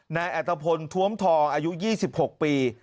นายอัตภพลท้วมทองอายุ๒๖ปี